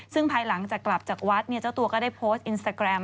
ซึ่งภายหลังจากกลับจากวัดเจ้าตัวก็ได้โพสต์อินสตาแกรม